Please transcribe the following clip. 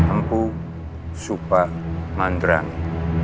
empu supa mandrani